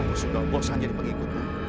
aku sudah bosan jadi pengikutmu